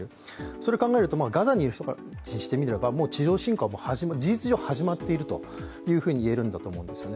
それを考えるとガザの人たちにしてみれば、地上作戦は事実上始まっていると言えるんですよね。